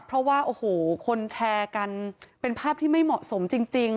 เพราะว่าโอ้โหคนแชร์กันเป็นภาพที่ไม่เหมาะสมจริง